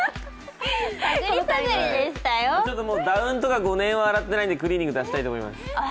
ダウンとか５年は洗ってないのにクリーニング出したいと思います。